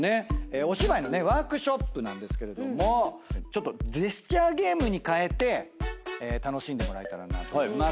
お芝居のワークショップなんですけれどもジェスチャーゲームに変えて楽しんでもらえたらなと思います。